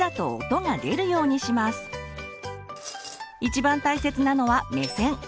一番大切なのは目線。